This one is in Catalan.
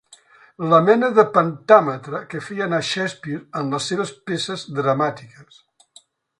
La mena de pentàmetre que feia anar Shakespeare en les seves peces dramàtiques.